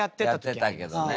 やってたけどね。